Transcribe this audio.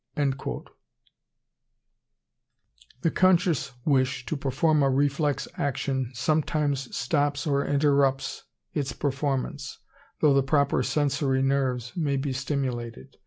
The conscious wish to perform a reflex action sometimes stops or interrupts its performance, though the proper sensory nerves may be stimulated.